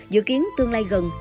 dự kiến tương lai gần